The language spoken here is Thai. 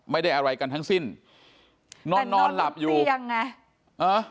ไม่ได้อะไรกันทั้งสิ้นนอนนอนหลับอยู่แต่นอนบนเตียงไงอ่า